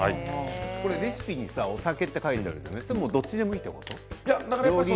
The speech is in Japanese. レシピにお酒と書いてあるけどどっちでもいいんですか？